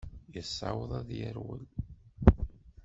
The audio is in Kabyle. Yessaweḍ ad d-yerwel.